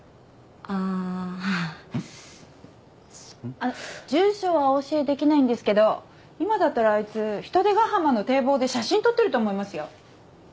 あの住所はお教えできないんですけど今だったらあいつ海星ヶ浜の堤防で写真撮ってると思いますよ。